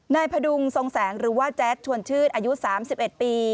พดุงทรงแสงหรือว่าแจ๊ดชวนชื่นอายุ๓๑ปี